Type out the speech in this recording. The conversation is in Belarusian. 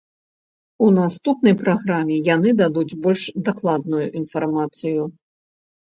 У наступнай праграме яны дадуць больш дакладную інфармацыю.